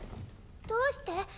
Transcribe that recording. どうして？